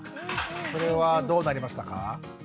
それはどうなりましたか？